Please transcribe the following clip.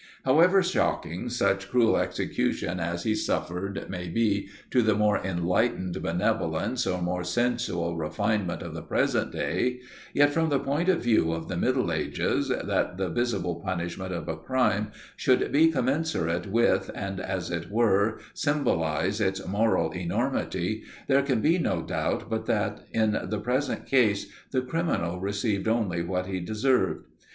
However shocking such cruel executions as he suffered may be to the more enlightened benevolence, or more sensual refinement of the present day; yet, from the point of view of the middle ages, that the visible punishment of a crime should be commensurate with, and, as it were, symbolise its moral enormity, there can be no doubt but that in the present case the criminal received only what he deserved.